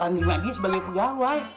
bakal ngingat dia sebagai pegawai